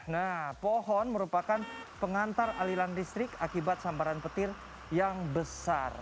nah pohon merupakan pengantar alilan listrik akibat sambaran petir yang besar